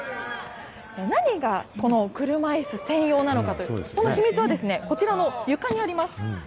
何がこの車いす専用なのかと、その秘密はですね、こちらの床にあります。